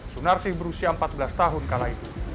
sunarsi berusia empat belas tahun kala itu